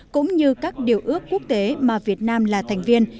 hai nghìn hai mươi cũng như các điều ước quốc tế mà việt nam là thành viên